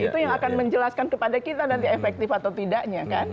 itu yang akan menjelaskan kepada kita nanti efektif atau tidaknya kan